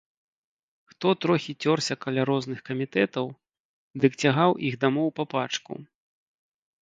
Хто трохі цёрся каля розных камітэтаў, дык цягаў іх дамоў па пачку.